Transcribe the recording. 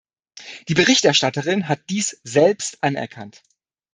Die Berichterstatterin hat dies selbst anerkannt.